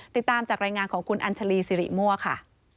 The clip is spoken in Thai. ติดตามจากรายงานของคุณอัญชาลีสิริมั่วค่ะ